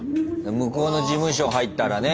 向こうの事務所入ったらね